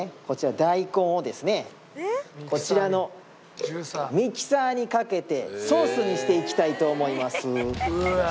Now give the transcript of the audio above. こちら大根をですねこちらのミキサーにかけてソースにしていきたいと思います。